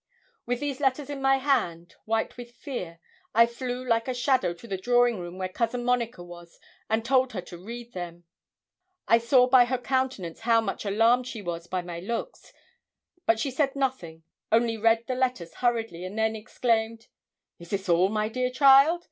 With these letters in my hand, white with fear, I flew like a shadow to the drawing room where Cousin Monica was, and told her to read them. I saw by her countenance how much alarmed she was by my looks, but she said nothing, only read the letters hurriedly, and then exclaimed 'Is this all, my dear child?